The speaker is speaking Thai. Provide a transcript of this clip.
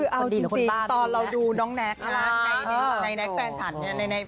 คือเอาจริงตอนเราดูน้องแน็กนะคะในแน็กแฟนฉันเนี่ย